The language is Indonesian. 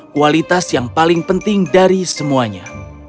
kualitas yang paling penting dari semuanya